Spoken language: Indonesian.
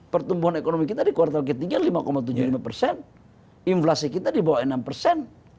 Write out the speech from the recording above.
pertumbuhan ekonomi kita di kuartal ketiga lima tujuh puluh lima persen inflasi kita di bawah enam persen